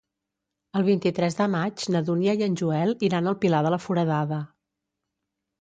El vint-i-tres de maig na Dúnia i en Joel iran al Pilar de la Foradada.